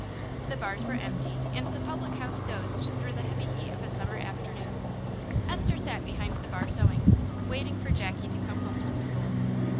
The bars were empty, and the public house dozed through the heavy heat of a summer afternoon. Esther sat behind the bar sewing, waiting for Jackie to come home from school.